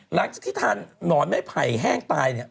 หลังจากที่ทานหนอนไม่ไผ่แห้งตายเนี่ย